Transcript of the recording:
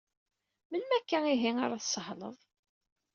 Melmi akka ihi ara tsahleḍ?